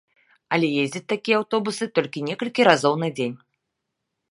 Але ездзяць такія аўтобусы толькі некалькі разоў на дзень.